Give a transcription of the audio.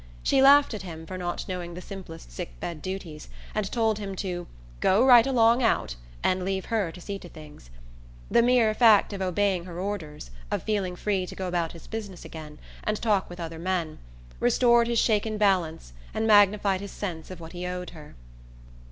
She laughed at him for not knowing the simplest sick bed duties and told him to "go right along out" and leave her to see to things. The mere fact of obeying her orders, of feeling free to go about his business again and talk with other men, restored his shaken balance and magnified his sense of what he owed her.